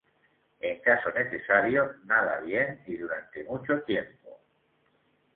En caso necesario, nada bien y durante mucho tiempo.